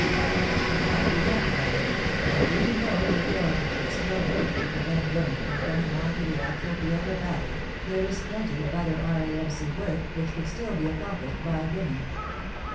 C. which could not be done by women, and even though the authorities should still wish to prevent women from coming on to the actual field of battle, there is plenty of other R.A.M.C. work which could still be accom plished by women.